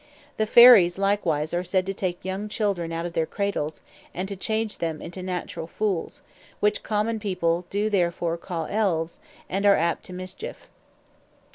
The Fairies likewise are said to take young Children out of their Cradles, and to change them into Naturall Fools, which Common people do therefore call Elves, and are apt to mischief.